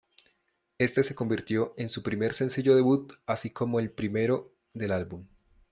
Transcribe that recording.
Éste se convirtió en su primer sencillo debut así como el primero del álbum.